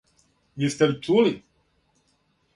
Јесте ли чули?